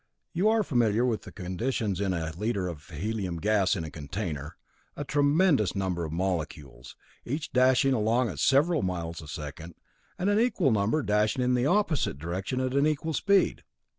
You are familiar with the conditions in a liter of helium gas in a container a tremendous number of molecules, each dashing along at several miles a second, and an equal number dashing in the opposite direction at an equal speed.